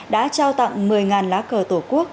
đã trao tặng một mươi lá cờ tổ quốc